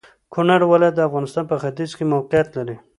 کونړ ولايت د افغانستان په ختيځ کې موقيعت لري.